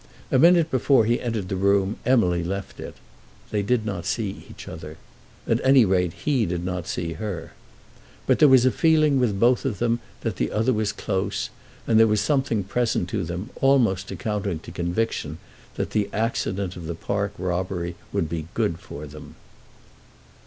A minute before he entered the room Emily left it. They did not see each other. At any rate he did not see her. But there was a feeling with both of them that the other was close, and there was something present to them, almost amounting to conviction, that the accident of the park robbery would be good for them.